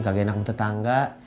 kagak enak mau tetangga